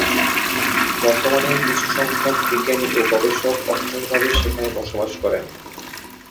বর্তমানে শুধু কিছুসংখ্যক বিজ্ঞানী ও গবেষক অস্থায়ীভাবে সেখানে বসবাস করেন।